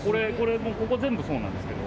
ここ全部そうなんですけど。